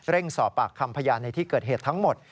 สอบปากคำพยานในที่เกิดเหตุทั้งหมด